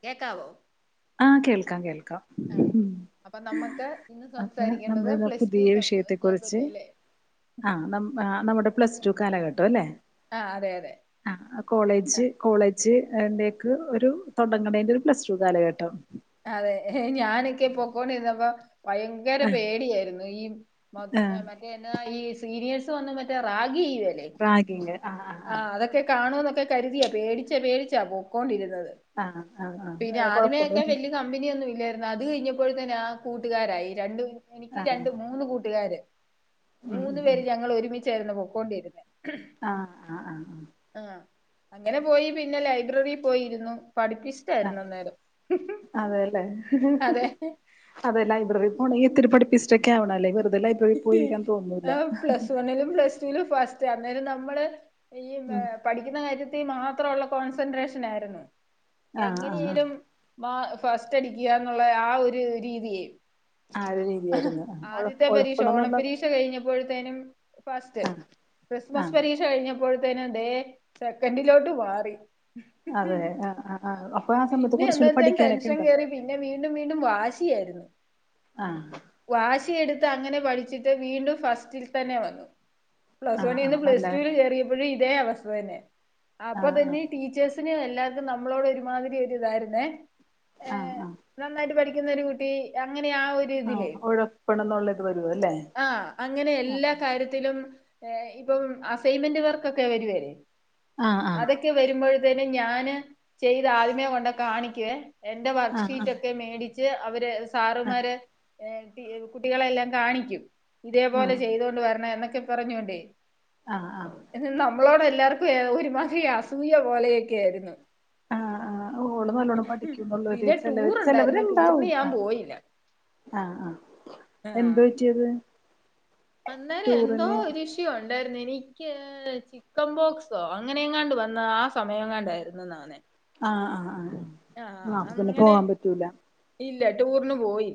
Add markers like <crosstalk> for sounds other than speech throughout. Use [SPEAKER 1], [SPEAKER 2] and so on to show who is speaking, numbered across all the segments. [SPEAKER 1] ക്കേക്കാവൊ.
[SPEAKER 2] ആ കേൾക്കാം കേൾക്കാം.
[SPEAKER 1] അപ്പ നമ്മക്ക് ഇന്ന്
[SPEAKER 2] അപ്പൊ
[SPEAKER 1] സംസാരിക്കേണ്ടത്
[SPEAKER 2] നമ്മളിതാ
[SPEAKER 1] പ്ലസ് ടു
[SPEAKER 2] പുതിയ
[SPEAKER 1] <unintelligible> നെ പറ്റി അല്ലെ.
[SPEAKER 2] ആ ന നമ്മുടെ പ്ലസ് ടു കാലഘട്ടം ല്ലെ.
[SPEAKER 1] ആ അതെ അതെ.
[SPEAKER 2] ആ കോളേജ്. കോളേജ് ലേക്ക് ഒരു തൊടങ്ങ്ണേന്റെ ഒരു പ്ലസ് ടു കാലഘട്ട് ട്ടൊ
[SPEAKER 1] അതെ ഞാനൊക്കെ പൊക്കോണ്ടിരന്നപ്പം ഭയ ക്കാരെ
[SPEAKER 2] ആഹ്
[SPEAKER 1] പേടിയായിരുന്നു. ഈ
[SPEAKER 2] ആഹ്
[SPEAKER 1] മറ്റെ ഈ സീരിയസ് റാഗി ചെയോലെ.
[SPEAKER 2] റാഗിങ് ആഹ്
[SPEAKER 1] ആ
[SPEAKER 2] ആഹ്
[SPEAKER 1] അതൊക് ക്കെ കാണുന്നൊക്കെ കരുതിയ പേടിച്ചാ പേടിച്ചാ പൊക്കൊണ്ടിരുന്നത്.
[SPEAKER 2] ആഹ് ആഹ് ആഹ് വേറെ കൊഴപ്പൊന്നും
[SPEAKER 1] കമ്പനിയൊന്നും ഇല്ലായിരുന്നു അത് കഴിഞ്ഞപ്പോഴ തന്നെ ആ കൂട്ടുകാരായി രണ്ട് എനിക്ക്
[SPEAKER 2] ആഹ്
[SPEAKER 1] രണ്ട് മൂന്ന് കൂട്ടുകാര്.
[SPEAKER 2] ഉം ഉം
[SPEAKER 1] മൂന്ന് പേര്
[SPEAKER 2] ഉം
[SPEAKER 1] ഞങ്ങള് ഒരുമി ചായിരുന്നു പൊക്കോണ്ടിരുന്ന്
[SPEAKER 2] ആഹ് ആഹ് ആഹ് ആഹ്
[SPEAKER 1] ആഹ് അങ്ങനെ പോയി. പിന്നെ ലൈബ്രറിൽ പോയിരുന്നു പഠിപ്പിസ്റ്റായിരുന്നു അന്നേരം.
[SPEAKER 2] അതേല്ലെ.
[SPEAKER 1] അതെ
[SPEAKER 2] അതെ. ലൈബറി പോണെങ്കി ഇത്തിരി പഠപ്പിസ്റ്റൊക്കെ ആവണലെ. അലൈ വെറുതെ ലൈബ്
[SPEAKER 1] ആഹ് പ്ലസ് വണ്ണിലും പ്ലസ് ടു വിലും ഫസ്റ്റ. അന്നേരം നമ്മള് ഈ
[SPEAKER 2] ഉം
[SPEAKER 1] പഠിക്കുന്ന കാര്യത്തി മാത്ര ഉള്ള കോൺസെൻട്രേഷൻ ആയിരുന്നു
[SPEAKER 2] ആഹ് ആഹ് ആഹ്
[SPEAKER 1] എങ്ങനെയാലും. മാ ഫസ്റ്റ് അടിക്കുകന്നുള്ള ആ ഒരു രീതിയെ
[SPEAKER 2] ആ ഒരു രീതിയായിരുന്നു. <unintelligible>
[SPEAKER 1] ആദ്യത്തെ പരീക്ഷ ഓണപരീക്ഷ കഴിഞ്ഞപ്പോഴത്തേനും ഫസ്റ്റ്
[SPEAKER 2] ആ
[SPEAKER 1] ക്രിസ്മസ് പരീക്ഷ് കഴിഞ്ഞപ്പോഴത്തേനും തേ സെക്കൻഡിലോട്ട് മാറി.
[SPEAKER 2] അതെ ആ. അപ്പ ആ സമയത്ത്
[SPEAKER 1] പിന്നെ
[SPEAKER 2] കൊറ്ച്ചൂടി
[SPEAKER 1] അന്നേരത്തേന്
[SPEAKER 2] പഠിക്കാനൊക്കെ
[SPEAKER 1] ടെൻഷൻ
[SPEAKER 2] ഇണ്ടാവും.
[SPEAKER 1] കേറി പിന്നെ വീണ്ടും വീണ്ടും വാശിയായിരുന്നു.
[SPEAKER 2] ആഹ്
[SPEAKER 1] വാശിയെടുത്ത് അങ്ങനെ പഠിച്ചിട്ട് വീണ്ടും ഫസ്റ്റിൽ തന്നെ വന്നു
[SPEAKER 2] ആ
[SPEAKER 1] പ്ലസ്
[SPEAKER 2] ആ
[SPEAKER 1] വണ്ണിന്ന്
[SPEAKER 2] നല്ല
[SPEAKER 1] പ്ലസ് ടുവില്
[SPEAKER 2] കാര്യം
[SPEAKER 1] കേറിയപ്പോഴും ഇതേ അവസ്ഥ തന്നെ.
[SPEAKER 2] ആ
[SPEAKER 1] അപ്പൊ
[SPEAKER 2] ആ
[SPEAKER 1] തന്നെ ടീച്ചേഴ്സ്. എല്ലാര്കും നമ്മളോട് ഒരുമാതിരി ഒരു ഇതായിരുന്നെ.
[SPEAKER 2] ആഹ് ആ
[SPEAKER 1] നന്നായിട്ട് പഠിക്കുന്ന ഒരു കുട്ടി അങ്ങനെ ആ ഒരു
[SPEAKER 2] ആഹ്
[SPEAKER 1] ഇതിലേ
[SPEAKER 2] ഉഴപ്പണം എന്നുള്ള ഇത് വര്വല്ലേ.
[SPEAKER 1] ആ അങ്ങനെ എല്ലാ കാര്യത്തിലും. ഇപ്പം അസൈൻമെന്റ് വർക്ക് ഒക്കെ വര്വേ.
[SPEAKER 2] ആ ആ
[SPEAKER 1] അതൊക്കെ വരുമ്പൊഴെത്തേനും ഞാന് ചെയ്ത ആദ്യമേ കൊണ്ട കാണിക്ക്യെ. എന്റെ
[SPEAKER 2] ആ ആ
[SPEAKER 1] വർക്ക്ഷീറ്റ് ഒക്കെ മേടിച്ച് അവര്
[SPEAKER 2] ആ
[SPEAKER 1] സാറുമാര് കുട്ടികളെ എല്ലാം. കാണിക്കും. ഇതേപോലെ
[SPEAKER 2] ഉം
[SPEAKER 1] ചെയ്തോണ്ട് വരണമെന്നൊക്കെ പറഞ്ഞ് കൊണ്ടേ.
[SPEAKER 2] ആഹ് ആഹ്
[SPEAKER 1] എന്ന നമ്മളോട് എല്ലാർക്കും ഒരുമാതിരി അസൂയ പോലെയൊക്കെ ആയിരുന്നു
[SPEAKER 2] ആഹ് ആഹ് ഓള് നല്ലോണ്ണം പഠിക്കന്നള്ളര്
[SPEAKER 1] പിന്നെ ടൂർ ഉണ്ടായിരുന്നു ടൂറിന്
[SPEAKER 2] ചെലവര്ണ്ടാവും
[SPEAKER 1] ഞാൻ
[SPEAKER 2] ആഹ്
[SPEAKER 1] പോയില്ല
[SPEAKER 2] ആഹ് എന്ത പറ്റിയത്
[SPEAKER 1] അന്നേരം
[SPEAKER 2] ടൂറിന്
[SPEAKER 1] എന്തോരു ഇഷ്യൂ ഉണ്ടായിരുന്നു എനിക്ക് ചിക്കൻ ബോക്സോ അങ്ങനെയങ്ങാണ്ട് വന്ന ആ സമയം എങ്ങാണ്ടായിരുന്നു അവനെ
[SPEAKER 2] ആഹ് ആഹ് ആഹ് അപ്പ പിന്നെ
[SPEAKER 1] അങ്ങനെ
[SPEAKER 2] പോകാൻ പറ്റൂല
[SPEAKER 1] ഇല്ല ടൂറിന് പോയി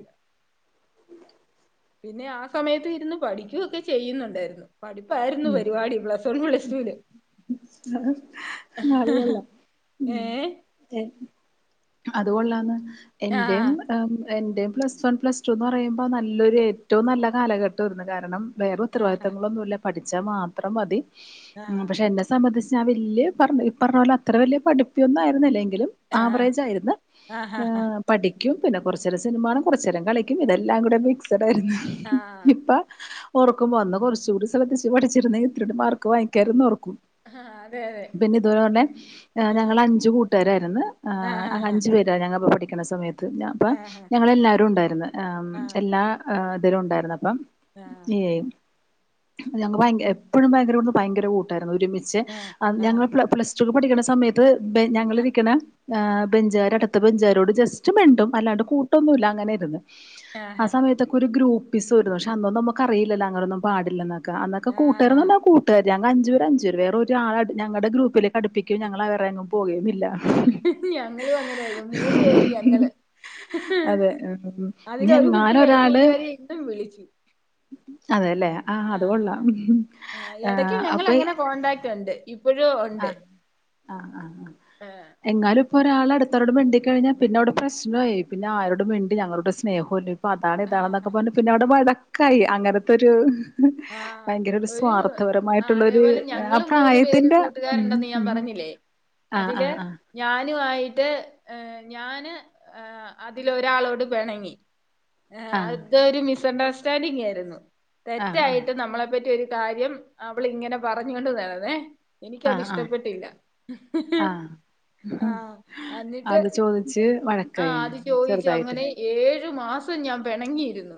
[SPEAKER 1] പിന്നെ ആ സമയത്ത് ഇരുന്ന് പഠിക്കുവൊക്കെ ചെയ്യുന്നുണ്ടായിരുന്നു പഠിപ്പായിരുന്നു
[SPEAKER 2] ഉം
[SPEAKER 1] പരിപടി പ്ലസ് വൺ പ്ലസ് സ്റ്റൂല്
[SPEAKER 2] അത് കൊള്ളാം
[SPEAKER 1] ഏ
[SPEAKER 2] ഏഹ് അതുകൊള്ളാന്ന് എന്റെയും
[SPEAKER 1] ആഹ്
[SPEAKER 2] എന്റെയും പ്ലസ് വൺ പ്ലസ് ടു എന്ന് പറയുമ്പോ നല്ലൊരു ഏറ്റവും നല്ല കാലഘട്ടമാരുന്നു കാരണം വേറെ
[SPEAKER 1] ആഹ്
[SPEAKER 2] ഉത്തരവാദിത്തങ്ങളൊന്നുല്ല പഠിച്ചാ മാത്രം മതി
[SPEAKER 1] ആഹ്
[SPEAKER 2] പക്ഷെ എന്നെ സംബന്ധിച്ച് ഞാൻ വെല്യ പറഞ്ഞ ഇപറഞ്ഞ പോലെ അത്ര വലിയ പഠപ്പൊന്നുമായിരുന്നില്ലെങ്കിലും
[SPEAKER 1] ആഹ്
[SPEAKER 2] ആവറേജ് ആയിരുന്ന് ആഹ് പഠിക്കും പിന്നെ കൊറച്ചേരം സിനിമാകാണും കുറച്ച നേരം കളിക്കും ഇതെല്ലാം കൂടെ മിക്സഡ് ആയിരുന്നു
[SPEAKER 1] ആഹ്
[SPEAKER 2] ഇപ്പൊ ഓർക്കുമ്പോ അന്ന് കുറച്ചുകൂടി ശ്രദ്ധിച്ച് പഠിച്ചിരുന്നേൽ ഇത്രലും മാർക്ക് വാങ്ങിക്കായിരുന്നെന്നു ഓർക്കും
[SPEAKER 1] ആഹ് അതെ അതെ
[SPEAKER 2] പിന്നെ ഇതുപോലെന്നെ ഞങ്ങള്
[SPEAKER 1] ആഹ്
[SPEAKER 2] അഞ്ചു കൂട്ടുകാരായിരുന്നു
[SPEAKER 1] ആഹ് ആഹ്
[SPEAKER 2] അഞ്ചു പേര് ഞങ്ങ പഠിക്കണ സമയത്ത്പ്പ
[SPEAKER 1] ആഹ്
[SPEAKER 2] ഞങ്ങളെല്ലാവരും ഉണ്ടായിരുന്നു
[SPEAKER 1] ആഹ്
[SPEAKER 2] എല്ലാ ഇതില ഉണ്ടായിരുന്നപ്പം ഈ ഞങ്ങൾ ഭയ എപ്പോഴും ഭയങ്കരമായി ഭയങ്കര കൂട്ടായിരുന്നു ഒരുമിച്ച്
[SPEAKER 1] ആഹ്
[SPEAKER 2] ഞങ്ങള്
[SPEAKER 1] ആഹ്
[SPEAKER 2] പ്ല പ്ലസ് പഠിക്കണ സമയത്ത് ഞങ്ങളിരിക്കുന്ന ബെഞ്ചുകാരെടയ്ക്കു മത്തെ ബെഞ്ചാരോട് ജസ്റ്റ് മിണ്ടും അല്ലാണ്ട് കൂട്ടൊന്നുല്ല അങ്ങനെയിരുന്ന്
[SPEAKER 1] ആഹ്
[SPEAKER 2] ആ
[SPEAKER 1] ആഹ്
[SPEAKER 2] സമയത്തൊക്കെ ഒരു ഗ്രൂപ്പ മിസ്സെയിന്നു അന്നന്നും നമുക്കറിയില്ല അങ്ങനൊന്നും പാടില്ലന്നൊക്കെ എന്നൊക്കെ
[SPEAKER 1] ആഹ്
[SPEAKER 2] കൂട്ടാരെന്ന് പറഞ്ഞ കൂട്ട് ഞങ്ങ അഞ്ചപേര് അഞ്ചപേര് വേറേ ഒരാള ഞങ്ങളുടെ ഗ്രൂപ്പിലേക്കു അടുപ്പിക്കയും ഞങ്ങൾ അവരെങ്ങും പോവുകയുമില്ല
[SPEAKER 1] ഞങ്ങളും അങ്ങനെയായിരുന്നു മൂന്നുപേര് ഞങ്ങള്
[SPEAKER 2] അതെ ഇഞ്
[SPEAKER 1] അതിലൊരു കുട്ടിയെ
[SPEAKER 2] എങ്ങാനൊരാള്
[SPEAKER 1] കൂട്ടുകാരി ഇന്നും വിളിച്ചു
[SPEAKER 2] അതെല്ലേ ആഹ് അതുകൊള്ളാം ആഹ് അപ്പൊ
[SPEAKER 1] കൊണ്ടാക്ടുണ്ട് ഇപ്പോഴും ഒണ്ട്
[SPEAKER 2] ആഹ് ആഹ് ആഹ് എങ്ങാനും ഇപ്പോ ഒരാള അടുത്തോരോട് മിണ്ടി കഴിഞ്ഞാ പിന്നെ അവിടെ പ്രശ്നമായി പിന്നെ ആരോടും മിണ്ടി ഞങ്ങളോട് സ്നേഹല്ല അപ്പൊ അതാണ്
[SPEAKER 1] ആഹ്
[SPEAKER 2] ഇതാണെന്നൊക്കെ പറഞ്ഞ പിന്നെ അവിടെ വഴക്കായി അങ്ങനത്തൊരു ഭയങ്കര ഒരു
[SPEAKER 1] ആഹ്
[SPEAKER 2] സ്വാർത്ഥപരമായിട്ടുള്ളൊരു ആ പ്രായത്തിന്റെ ഉം
[SPEAKER 1] ണ്ടെന്നു ഞാൻ
[SPEAKER 2] ഉം
[SPEAKER 1] പറഞ്ഞില്ലേ
[SPEAKER 2] ആഹ്
[SPEAKER 1] അതിലെ
[SPEAKER 2] ആഹ്
[SPEAKER 1] ഞാനുവായിട്ട് ഞാന് ആഹ് അതിലൊരാളോട് പിണങ്ങി ഏഹ്
[SPEAKER 2] ആഹ്
[SPEAKER 1] അതൊരു മിസ്സണ്ടർസ്റ്റാൻഡിങ് ആയിരുന്നു
[SPEAKER 2] ആഹ് ആഹ്
[SPEAKER 1] തെറ്റായിട്ട് നമ്മളെ പറ്റി ഒരു കാര്യം അവളിങ്ങനെ പറഞ്ഞോണ്ട് നടന്നെ
[SPEAKER 2] ആഹ് ആഹ്
[SPEAKER 1] എനിക്കത്ഷ്ടപ്പെട്ടില്ല
[SPEAKER 2] ആഹ്
[SPEAKER 1] ആഹ് എന്നിട്ട്
[SPEAKER 2] അത് ചോദിച്ച്
[SPEAKER 1] ആഹ്
[SPEAKER 2] വഴക്കായി
[SPEAKER 1] അത് ചോയിച്ചു
[SPEAKER 2] ചെറുതായിട്ട്
[SPEAKER 1] അങ്ങനെ ഏഴു മാസം ഞാൻ പിണങ്ങിയിരുന്നു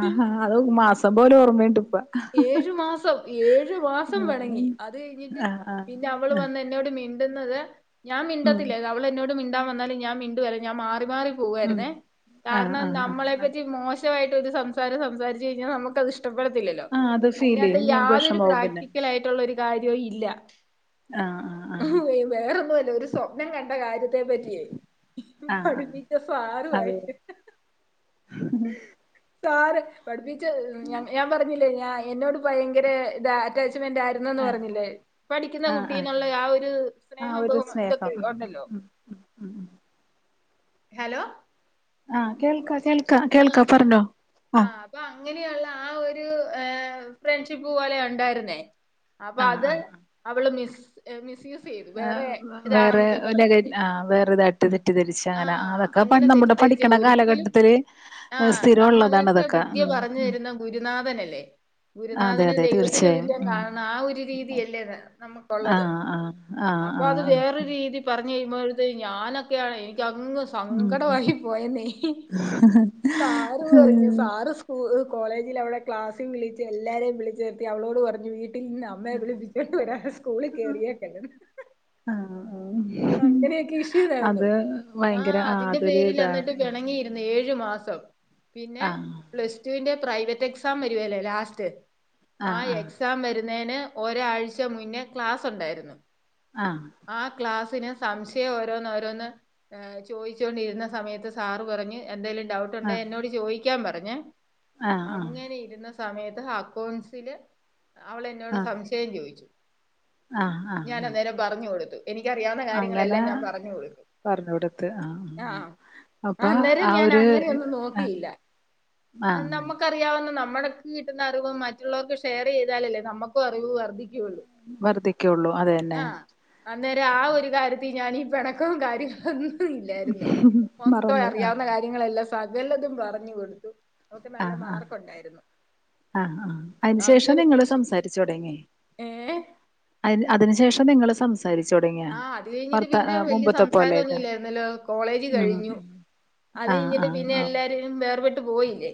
[SPEAKER 2] ആഹ് ആഹ് അത് മാസം പോലെ ഓർമ്മണ്ട് ഇപ്പൊ
[SPEAKER 1] ഏഴു മാസം ഏഴു മാസം പെണങ്ങി അത് കഴിഞ്ഞിട്ട്
[SPEAKER 2] ആഹ് ആഹ് ആഹ്
[SPEAKER 1] പിന്നെ അവള്
[SPEAKER 2] ആഹ്
[SPEAKER 1] വന്നന്നെ ന്നോട് മിണ്ടുന്നത് ഞാൻ
[SPEAKER 2] ഉം
[SPEAKER 1] മിണ്ടത്തില്ല അവള് എന്നോട് മിണ്ടാൻ വന്നാലും ഞാൻ മിണ്ടുകേല ഞാൻ മാറി മാറി
[SPEAKER 2] ഉം
[SPEAKER 1] പോവാരുന്നേ
[SPEAKER 2] ആഹ്
[SPEAKER 1] കാരണം
[SPEAKER 2] ആഹ് ആഹ്
[SPEAKER 1] നമ്മളെ
[SPEAKER 2] ആഹ്
[SPEAKER 1] പറ്റി മോശം കുറ്റവായിട്ട് ഒരു സംസാരം സംസാരിച്ച് കഴിഞ്ഞാൽ നമുക്കതിഷ്ടപ്പെടത്തില്ലോ
[SPEAKER 2] ആഹ് അത് ഫീൽ
[SPEAKER 1] അയിനാത്ത്
[SPEAKER 2] ചെയ്യും
[SPEAKER 1] യാതൊരു
[SPEAKER 2] വിഷമാവും പിന്നെ
[SPEAKER 1] പ്രാക്ടിക്കൽ ആയിട്ടുള്ളൊരു കാര്യോ ഇല്ല
[SPEAKER 2] ആഹ് ആഹ്
[SPEAKER 1] വേറൊന്നുല്ല ഒരു സ്വപ്നം കണ്ട കാര്യ ത്തെ പറ്റിയേ
[SPEAKER 2] ആഹ് ആഹ് ആഹ്
[SPEAKER 1] പഠിപ്പിച്ച സാറു
[SPEAKER 2] അത്
[SPEAKER 1] ആയിട്ട് സാറ് പഠിപ്പിച്ച ഞാ ഞാൻ പറഞ്ഞില്ലേ ഞാ എന്നോട് ഭയങ്കര ഇത അറ്റാച്ച്മെന്റ് ആ ന്നന്ന് പറഞ്ഞില്ലേ പഠിക്കുന്ന
[SPEAKER 2] ആഹ് ആഹ്
[SPEAKER 1] കുട്ടീന്നുള്ള ആ ഒരു
[SPEAKER 2] ആഹ്
[SPEAKER 1] സ്നേഹം
[SPEAKER 2] ഒരു
[SPEAKER 1] ബഹു ഇതൊക്കെ
[SPEAKER 2] സ്നേഹം ഉം ഉം
[SPEAKER 1] ഒണ്ടല്ലോ
[SPEAKER 2] ഉം
[SPEAKER 1] ഹലോ
[SPEAKER 2] ആഹ് കേൾക്ക കേൾ
[SPEAKER 1] ആഹ് ഹ ആഹ് അപ്പങ്ങനെയുള്ള ആ ഒരു ഏഹ് ഫ്രണ്ട്ഷിപ്പ് പോലെ ഒണ്ടായിരുന്നേ അപ്പ
[SPEAKER 2] ആഹ്
[SPEAKER 1] അത്
[SPEAKER 2] ആഹ്
[SPEAKER 1] അവള് മിസ് മിസ്യൂസ് ചെയ്തു
[SPEAKER 2] ആ
[SPEAKER 1] വേറെ
[SPEAKER 2] വേറെ
[SPEAKER 1] ഇതാണെന്നൊക്കെ പറഞ്ഞോണ്ട്
[SPEAKER 2] ആ വേറെ ഇതായിട്ട് തെറ്റിധരിച്ച് അങ്ങനെ അതൊ
[SPEAKER 1] ആഹ്
[SPEAKER 2] ക്കെ
[SPEAKER 1] അങ്ങനെ
[SPEAKER 2] പണ്ടമ്മുടെ
[SPEAKER 1] തെറ്റിദ്ധരിച്ച്
[SPEAKER 2] പഠിക്കണ
[SPEAKER 1] ഒരിക്കലും
[SPEAKER 2] കാലഘട്ടത്തില്
[SPEAKER 1] ആഹ്
[SPEAKER 2] സ്ഥിരം ഉള്ളതാണ്
[SPEAKER 1] നമ്മകൊക്കെ
[SPEAKER 2] അതൊക്കെ
[SPEAKER 1] വിദ്യ
[SPEAKER 2] ഉം
[SPEAKER 1] പറഞ്ഞു
[SPEAKER 2] ഉം
[SPEAKER 1] തരുന്ന ഗുരുനാഥനല്ലേ
[SPEAKER 2] അതെ
[SPEAKER 1] ഗുരുനാഥനും
[SPEAKER 2] അതെ
[SPEAKER 1] ദൈവത്തിനും
[SPEAKER 2] തീർച്ചയായും
[SPEAKER 1] തുല്യം
[SPEAKER 2] ഉം
[SPEAKER 1] കാണണം ആ ഒരു രീതിയല്ലേ നമ്മ
[SPEAKER 2] ആഹ് ആഹ് ആഹ് ആഹ് ആഹ്
[SPEAKER 1] രീതി പറഞ്ഞു കഴുമ്പോഴത്തെ ഞാനൊക്കെയാണ് എനിക്കങ്ങ് സങ്കടായി പോയെന്നെ
[SPEAKER 2] അഹഹ
[SPEAKER 1] സാറ് പറഞ്ഞു സാറ് കോളജിൽ അവടെക്ലാസും വിളിച്ച് എല്ലാരേം വിളിച്ച് വര്ത്തി അവളോട് പറഞ്ഞു വീട്ട് ട്ടിൽന്ന് അമ്മയെ വിളിപ്പിച്ചോട്ട് വരാതെ സ്കൂളിൽ കേറിയേക്കല്ലന്ന്
[SPEAKER 2] ആഹ് ആഹ്
[SPEAKER 1] അങ്ങനെയൊക്കെ ഇഷ്യുവായിരുന്നു
[SPEAKER 2] അത് ഭയങ്കര
[SPEAKER 1] ആഹ്
[SPEAKER 2] ആ
[SPEAKER 1] അതിന്റെ
[SPEAKER 2] അതൊരു
[SPEAKER 1] പേരിൽ
[SPEAKER 2] ഇതാണ്
[SPEAKER 1] അവളായിട്ട്
[SPEAKER 2] ഉം
[SPEAKER 1] പെണങ്ങി ന്ന് ഏഴു മാസം പിന്നെ
[SPEAKER 2] ആഹ്
[SPEAKER 1] പ്ലസ് ടുവിന്റെ പ്രൈവറ്റ് എക്സാം വരുവേല്ലേ ലാസ്റ്റ് ആ
[SPEAKER 2] ആഹ്
[SPEAKER 1] എക്സാം വരുന്നയ്ന് ഒരാഴ്ച മുന്നേ ക്ലാസ് ഉണ്ടായിരുന്നു
[SPEAKER 2] ആഹ്
[SPEAKER 1] ആ ക്ലാസ്സിന് സംശയം ഓരോന്നോരോന്ന് ചോയ്ച്ചോണ്ടിരുന്ന സമയത്ത് സാറ് പറഞ്ഞ് എന്തെലും ട ട്ടുണ്ടേ
[SPEAKER 2] ആഹ്
[SPEAKER 1] എന്നോട് ചോദിക്കാൻ പറഞ്ഞെ
[SPEAKER 2] ആഹ് ആഹ്
[SPEAKER 1] അങ്ങനെ ഇരുന്ന സ് സമയത്ത് അക്കൗൺസില് അവളെന്നോട്
[SPEAKER 2] ആഹ് ആഹ്
[SPEAKER 1] സംശയം ചോദിച്ചു
[SPEAKER 2] ആഹ് ആഹ്
[SPEAKER 1] ഞാനന്നേരം പറഞ്ഞു കൊടുത്തു എനിക്കറിയാവുന്ന
[SPEAKER 2] അങ്ങനെ
[SPEAKER 1] കാര്യങ്ങളെല്ലാം ഞാൻ പറഞ്ഞു കൊടുത്തു
[SPEAKER 2] പറഞ്ഞു കൊടുത്ത് ആഹ് ആഹ് ഉം അപ്പ
[SPEAKER 1] അന്നേരം
[SPEAKER 2] അവ്
[SPEAKER 1] ഞാൻ
[SPEAKER 2] ര്
[SPEAKER 1] അങ്ങനെയൊന്നും നോക്കിയില്ല
[SPEAKER 2] ആഹ്
[SPEAKER 1] നമ്മക്ക അറിയാവുന്ന നമ്മുക്ക് കിട്ടുന്ന അറിവ് മറ്റുള്ളവർക്ക് ഷെയറ് ചെയ്താലല്ലേ നമുക്കും അറിവ് വർദ്ധിക്കയുള്ളു
[SPEAKER 2] വർധിക്കുള്ളൂ അതന്നെ
[SPEAKER 1] അന്നേരം ആ ഒരു കാര്യത്തി ഞാനീ പിണക്കവും കാര്യങ്ങളൊന്നും ല്ലായിരുന്നു മൊത്തം
[SPEAKER 2] മറന്ന് ആഹ്
[SPEAKER 1] അറിയാവുന്ന കാര്യങ്ങളെല്ലാം സകല്ലതും പറഞ്ഞു കൊടുത്തു അവ്ക്ക്‌ നല്ല
[SPEAKER 2] ആഹ് ആഹ്
[SPEAKER 1] മാർക്കൊണ്ടായിരുന്നു
[SPEAKER 2] ആഹ് ആഹ് അതിന് ശേഷം നിങ്ങള്
[SPEAKER 1] വിഷ്
[SPEAKER 2] സംസാരിച്ചു തുടങ്ങി
[SPEAKER 1] ഏഹ്
[SPEAKER 2] അയ്ൻ അതിനു ശേഷം നിങ്ങൾ സംസാ
[SPEAKER 1] ആഹ് അത് കഴിഞ്ഞിട്ട് പിന്നെ വല്യ
[SPEAKER 2] മുമ്പത്തെ
[SPEAKER 1] സംസാരം
[SPEAKER 2] പോലെയൊക്കെ
[SPEAKER 1] ഒന്നുല്ലാരുന്നല്ലോ കോളേജ്
[SPEAKER 2] ഉം
[SPEAKER 1] കഴിഞ്ഞു അത്
[SPEAKER 2] ആഹ്
[SPEAKER 1] കഴിഞ്ഞിട്ട്
[SPEAKER 2] ആഹ്
[SPEAKER 1] പിന്നെ
[SPEAKER 2] ഓ
[SPEAKER 1] എല്ലാരും വേർപെട്ട് പോയില്ലേ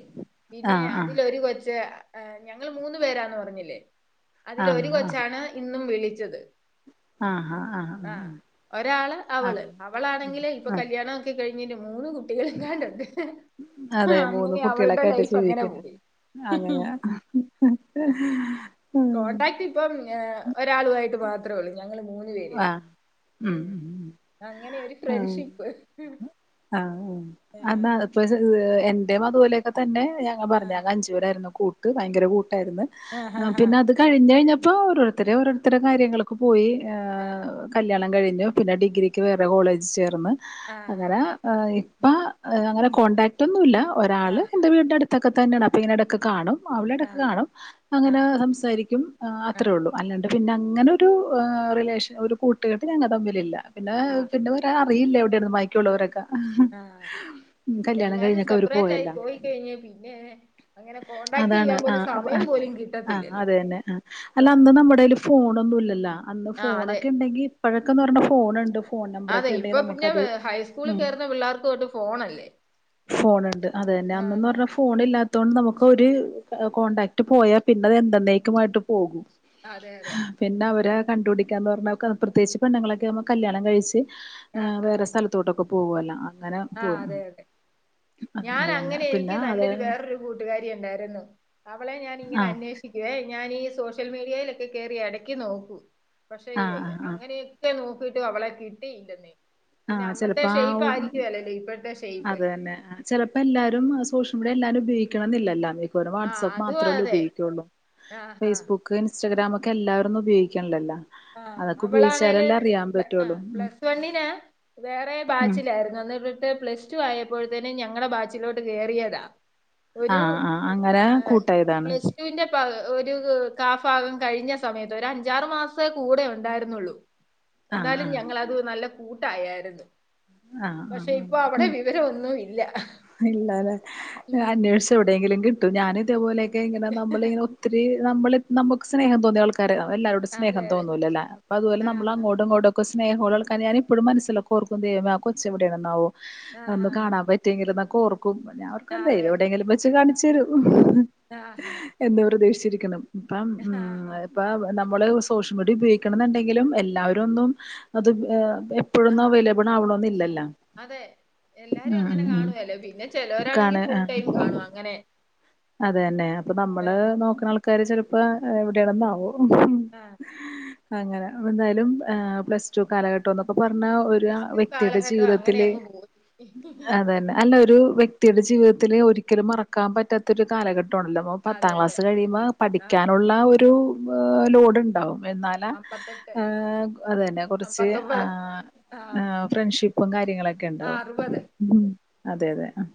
[SPEAKER 1] പിന്നെ
[SPEAKER 2] ആഹ് ആഹ്
[SPEAKER 1] അതിലൊരു കൊച്ച ഞങ്ങൾ മൂന്നു പേരാന്ന് പറഞ്ഞില്ലേ അതിലൊരു
[SPEAKER 2] ആഹ്
[SPEAKER 1] കൊച്ചാണ് ഇന്നും വിളിച്ചത്
[SPEAKER 2] ആഹാ ആഹ്
[SPEAKER 1] ആഹ് ഒരാള്
[SPEAKER 2] ആഹ് ആഹ്
[SPEAKER 1] അവൾ അവളാണെങ്കില് ഇപ്പൊ
[SPEAKER 2] ആഹ്
[SPEAKER 1] കല്യാണം ഒക്കെ കഴിഞ്ഞിട്ട് മൂന്ന് കു കുട്ടികൾ <unintelligible>
[SPEAKER 2] അതെ മൂന്നു കുട്ടികളക്കെ ആയിട്ട് ജീവിക്കുന്നു
[SPEAKER 1] പോയി.
[SPEAKER 2] അതല്ലേ
[SPEAKER 1] കോൺടാക്ട് ഇപ്പം ഒരാളയിട്ട് മാത്രമേ ഉള്ളൂ ഞങ്ങള് മൂന്നു പേരില്
[SPEAKER 2] ആഹ്
[SPEAKER 1] ഉം അങ്ങനെൊരു
[SPEAKER 2] ആഹ്
[SPEAKER 1] ഫ്രണ്ട്ഷിപ്പ് ആ
[SPEAKER 2] ഇപ്പം എൻ്റെ അ തുപോലെയൊക്കെ തന്നെ ഞങ്ങൾ പറഞ്ഞു
[SPEAKER 1] ആഹ്
[SPEAKER 2] ഞങ്ങൾ അഞ്ചു പേരായിരുന്നു കൂട്ട് ഭയങ്കര കൂട്ടായിരുന്നു
[SPEAKER 1] ആഹ്
[SPEAKER 2] പിന്നെ അത് കഴിഞ്ഞ കഴിഞ്ഞപ്പോ ഓരോരുത്തരെ ഓരോരുത്തര കാര്യങ്ങളൊക്കെ പോയി
[SPEAKER 1] ആഹ്
[SPEAKER 2] കല്യാണം കഴിഞ്ഞു പിന്നെ ഡിഗ്രിക്ക് വേറെ കോളേജ് ചേർന്ന്
[SPEAKER 1] ആഹ്
[SPEAKER 2] അങ്ങനെ ഇപ്പൊ അങ്ങനെ കോൺടാക്റ്റ് ഒന്നും ഇല്ല ഒരാൾ
[SPEAKER 1] ആഹ്
[SPEAKER 2] എൻ്റെ വീടിൻ്റെ അടുത്തൊക്കെ തന്നെയാണ് അപ്പോൾ ഇങ്ങനെ ഇടക്ക് ഒകെ കാണും അവളെ
[SPEAKER 1] ആഹ് ആഹ്
[SPEAKER 2] ഇടക്ക് കാണും അങ്ങനെ
[SPEAKER 1] ആഹ്
[SPEAKER 2] സംസാരിക്കും
[SPEAKER 1] ആഹ്
[SPEAKER 2] അത്രേ ഉള്ളൂ അല്ലാണ്ട് പിന്നെ അങ്ങനെ ഒരു റിലേഷൻ ഒരു കൂട്ടുകെട്ട ഞങ്ങ തമ്മിലില്ല പിന്നെ
[SPEAKER 1] ആഹ്
[SPEAKER 2] പിന്നെ അറിയില്ല എവിടൊയിന്ന് ബാക്കി യുള്ളവരൊക്കെ
[SPEAKER 1] ആഹ് എല്ലാരും
[SPEAKER 2] കഴിഞ്ഞൊക്കെ അവർ
[SPEAKER 1] സെപ്പറേറ്റ് ആയി
[SPEAKER 2] പോയല്ല
[SPEAKER 1] പോയി കഴിഞ്ഞ പിന്നെ അങ്ങനെ കോടാക്ട് ചെയ്യാൻ പോലെ സമയം പോലും കിട്ടു
[SPEAKER 2] ആഹ് അതെ തന്നെ ആ അല്ല അന്ന് നമ്മടേൽ ഫോണൊന്നുംല്ലല്ലോ അന്ന്
[SPEAKER 1] ആ അതെ
[SPEAKER 2] ഫോണൊക്കെ ഉണ്ടെങ്കിൽ ഇപ്പോഴൊക്കന്ന് പറഞ്ഞ ഫോണുണ്ട് ഫോൺ
[SPEAKER 1] അതെ
[SPEAKER 2] നമ്പറൊക്കെ ഉണ്ടെങ്കിൽ
[SPEAKER 1] ഇപ്പൊ പിന്നെ
[SPEAKER 2] നമുക്കത്
[SPEAKER 1] ഹൈസ്കൂളിൽ
[SPEAKER 2] ഉം
[SPEAKER 1] കയറുന്ന പിള്ളേർക്ക് തൊട്ട് ഫോണല്ലേ
[SPEAKER 2] ഫോണുണ്ട് അത് തന്നെ
[SPEAKER 1] ആ
[SPEAKER 2] അന്നന്ന് പറഞ്ഞ ഫോണില്ലാത്തത് കൊണ്ട് ഇല്ലാത്ത കൊണ്ട് നമുക്ക് ഒരു കോൺടാക്ട് പോയാൽ പിന്നെ അത്. എന്ന ന്നേ ക്കുമായിട്ട് പോകും
[SPEAKER 1] അതെ അതെ
[SPEAKER 2] പിന്നെ അവരെ കണ്ടപിടിക്കുക ന്ന് പറഞ്ഞാൽ പ്രത്യേകിച്ച് പെണ്ണങ്ങളൊക്കെ നമ്മൾ കല്യാണം കഴിച്ച്
[SPEAKER 1] ആ ആ
[SPEAKER 2] വേറെ
[SPEAKER 1] ആ
[SPEAKER 2] സ്ഥലത്തോട്ടൊക്കെ പോവുല്ലോ
[SPEAKER 1] ആ അതെ അതെ ഞാൻ
[SPEAKER 2] അതന്നെ
[SPEAKER 1] അങ്ങനെ
[SPEAKER 2] പിന്നെ
[SPEAKER 1] എനിക്ക്
[SPEAKER 2] അത്
[SPEAKER 1] നല്ലൊരു വേറൊരു കൂട്ടുകാരിയ ഉണ്ടായിരുന്നു അവളെ ഞാൻ ഇങ്ങനെ
[SPEAKER 2] ആഹ്
[SPEAKER 1] അന്വേഷിച്ചു ഞാനീ സോഷ്യൽ മീഡിയയിലൊക്കെ കേറി ഇടക്കി നോക്കു പക്ഷേ
[SPEAKER 2] ആഹ് ആഹ് ആഹ്
[SPEAKER 1] അങ്ങനെ ഒക്കെ നോക്കിട്ട് അവളെ കിട്ടിയില്ലെന്നേ പിന്നെ
[SPEAKER 2] ആഹ്
[SPEAKER 1] അന്നത്തെ
[SPEAKER 2] ചെലപ്പോ
[SPEAKER 1] ഷെയ്പ്പ്
[SPEAKER 2] ആവും
[SPEAKER 1] ആയിരിക്കുമല്ലോ ഇപ്പോഴത്തെ ഷെയ്പ്പ്
[SPEAKER 2] അത് തന്നെ ചിലപ്പോ എല്ലാരും സോഷ്യൽ മീഡിയ എല്ലാരും ഉപയോഗിക്കണം എന്നില്ല ല്ലോ ഒരു
[SPEAKER 1] ആ
[SPEAKER 2] വാട്സപ്പ്
[SPEAKER 1] അതും
[SPEAKER 2] മാത്രമല്ലേ
[SPEAKER 1] അതെ
[SPEAKER 2] ഉപയോഗിക്കുള്ളൂ
[SPEAKER 1] ആ
[SPEAKER 2] ഫേസ്ബുക്ക്
[SPEAKER 1] ആ
[SPEAKER 2] ഫേസ്ബുക്ക് ഇൻസ്റ്റാഗ്രാം ഒക്കെ എല്ലാവരൊന്നും ഉപയോഗിക്കണല്ലോ
[SPEAKER 1] ആഹ്
[SPEAKER 2] അതൊക്കെ ഉപയോഗിച്ചാലെ ല്ലേ അറിയാൻ പറ്റുള്ളൂ
[SPEAKER 1] വന്നീനെ വേറെ
[SPEAKER 2] ഉം
[SPEAKER 1] ബാച്ചിലായിരുന്നു അന്ന് പ്ലസ് ടു ആയപ്പോൾ തന്നെ ഞങ്ങളെ ബാച്ചിലോട്ട് കേയറിയതാ ഒരു
[SPEAKER 2] ആഹ് ആഹ്
[SPEAKER 1] ആ
[SPEAKER 2] അങ്ങനെ കൂട്ടായതാണ്
[SPEAKER 1] പ്ലസ് റ്റുവിന്റെ ഒരു കാഫാഗം കഴിഞ്ഞ സമയത്ത് ഒരു അഞ്ചാറ് മാസം കൂടെ ഉണ്ടായിരുന്നുള്ളൂ
[SPEAKER 2] ആഹ്
[SPEAKER 1] എന്താലും
[SPEAKER 2] ആഹ്
[SPEAKER 1] ഞങ്ങള അത് നല്ല കൂട്ടായായിരുന്നു
[SPEAKER 2] ആഹ്
[SPEAKER 1] പക്ഷെ ഇപ്പൊ അവിടെ വിവര ഒന്നും ഇല്ല
[SPEAKER 2] ഇല്ലല്ലേ
[SPEAKER 1] ഉം
[SPEAKER 2] അന്വേഷിച്ച് എവിടെയെങ്കിലും കിട്ടും ഞാനൻ ഇതേപോലെയൊക്കെ ഇങ്ങനെ നമ്മള ഇങ്ങെ ഒത്തിരി നമ്മള് നമുക്ക് സ്നേഹം തോന്നിയ ആൾക്കാര അത് എല്ലാവരും
[SPEAKER 1] അതെ
[SPEAKER 2] സ്നേഹം
[SPEAKER 1] അതെ
[SPEAKER 2] തോന്നൂല്ലല്ലോ അപ്പ അതുപോലെ
[SPEAKER 1] ആഹ്
[SPEAKER 2] നമ്മ അങ്ങോട്ടും ഇങ്ങോട്ടും സ്നേഹ ഉള്ള ആൾക്കാരെ ഞാൻ മനസ്സിൽ എപ്പോഴും ഓർക്കും ദൈവമേ ആ ക്കെച്ച എവിടെണാവോ ഒന്ന്
[SPEAKER 1] ആഹാ
[SPEAKER 2] കാണാൻ പറ്റ റ്റെങ്കില് എന്നൊക്കെ ഓർക്കും പിന്നെ അവർക്ക എന്താ
[SPEAKER 1] അതെ
[SPEAKER 2] എവിടെയെങ്കിലും വെച്ച് കാണിച്ച് തരും
[SPEAKER 1] ആഹാ
[SPEAKER 2] എന്താ പ്രതീക്ഷിച്ചിരിക്കണം ഇപ്പം ഉം
[SPEAKER 1] ആഹാ
[SPEAKER 2] ഇപ്പ നമ്മള് സോഷ്യൽ മീഡിയ ഉപയോഗിക്കണം എന്നുണ്ടെങ്കിലും എല്ലാവരും ഒന്നും അത് ഇപ്പഴൊന്നും
[SPEAKER 1] ആഹ്
[SPEAKER 2] അവൈലബിൾ ആവണോന്നില്ലല്ലോ
[SPEAKER 1] അതെ എല്ലാരും
[SPEAKER 2] ഉം
[SPEAKER 1] അങ്ങനെ
[SPEAKER 2] ഉം ഉം
[SPEAKER 1] കാണുവേലെ പിന്നെ
[SPEAKER 2] കാണ
[SPEAKER 1] ചെലോരാണെങ്കി ഫുൾ ടൈം കാണു അങ്ങനെ
[SPEAKER 2] അത് തെന്നെ അപ്പൊ നമ്മള്
[SPEAKER 1] ആഹ്
[SPEAKER 2] നോക്കണ ആൾക്കാര് ചെലപ്പോ എവിടെയാണന്നാവും
[SPEAKER 1] ആഹ്
[SPEAKER 2] അങ്ങനെ എന്തായാലും ഏഹ് പ്ലസ് ടു കാലഘട്ടന്നൊക്കെ പറഞ്ഞാ ഒര്
[SPEAKER 1] പ്ലസ്
[SPEAKER 2] <unintelligible>
[SPEAKER 1] ടു
[SPEAKER 2] വ്യക്തിയുടെ
[SPEAKER 1] കാലഘട്ടം അങ്ങനെ
[SPEAKER 2] ജീവിതത്തില്
[SPEAKER 1] അങ്ങ് പോയി
[SPEAKER 2] അത് തന്നെ അല്ല ഒരു വ്യ വ്യക്തിയുടെ ജീവിതത്തില് ഒരിക്കലും മറക്കാൻ പറ്റാത്ത ഒരു കാലഘട്ടാണല്ലോ അപ്പോ
[SPEAKER 1] അതെ
[SPEAKER 2] പത്താം
[SPEAKER 1] അതെ
[SPEAKER 2] ക്ലാസ് കഴിയുമ്പോ
[SPEAKER 1] ആഹ്
[SPEAKER 2] പഠിക്കാനുള്ള ഒരു ഏഹ് ലോഡ്
[SPEAKER 1] ആഹ്
[SPEAKER 2] ഇണ്ടാവും എന്നാലാ
[SPEAKER 1] അമ്പത്തെട്ട്
[SPEAKER 2] ആഹ് അതന്നെ കൊറച്ച്
[SPEAKER 1] അമ്പത്തൊമ്പത്
[SPEAKER 2] ആഹ്
[SPEAKER 1] ആഹ്
[SPEAKER 2] ഫ്രണ്ട്ഷിപ്പും കാര്യങ്ങളൊക്കെ ഇണ്ടാവും
[SPEAKER 1] അറുപത്
[SPEAKER 2] അതെ അതെ ആഹ്